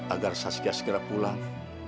agar saskia segera pulang